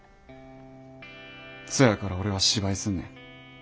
そやから俺は芝居すんねん。